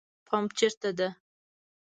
پمپ چیرته ده؟